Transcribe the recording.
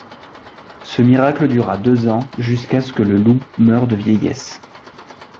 Ce miracle dura deux ans jusqu'à ce que le loup meure de vieillesse.